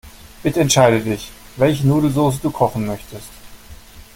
Bitte entscheide dich, welche Nudelsoße du kochen möchtest.